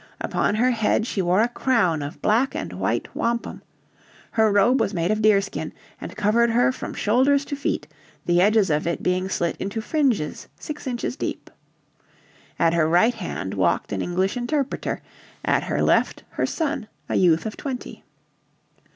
Upon her head she wore a crown of black and white wampum. Her robe was made of deer skin and covered her from shoulders to feet, the, edges of it being slit into fringes six inches deep. At her right hand walked an English interpreter, at her left her son, a youth of twenty.